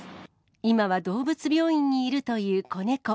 今は動物病院にいるという子猫。